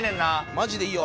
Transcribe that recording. マジでいいよ。